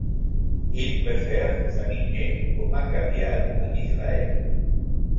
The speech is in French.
Il préfère s'aligner aux Maccabiades en Israël.